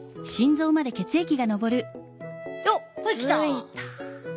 ついた。